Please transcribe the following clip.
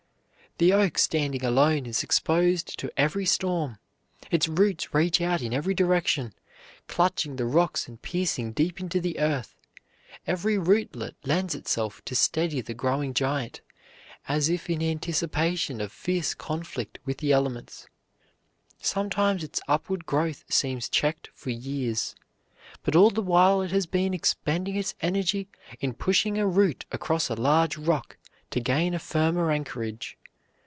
The oak standing alone is exposed to every storm. Its roots reach out in every direction, clutching the rocks and piercing deep into the earth. Every rootlet lends itself to steady the growing giant, as if in anticipation of fierce conflict with the elements. Sometimes its upward growth seems checked for years, but all the while it has been expending its energy in pushing a root across a large rock to gain a firmer anchorage.